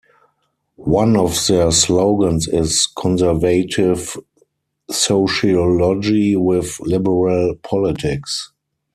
One of their slogans is 'conservative sociology with liberal politics.